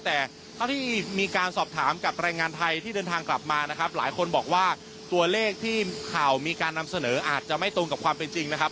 แต่เท่าที่มีการสอบถามกับแรงงานไทยที่เดินทางกลับมานะครับหลายคนบอกว่าตัวเลขที่ข่าวมีการนำเสนออาจจะไม่ตรงกับความเป็นจริงนะครับ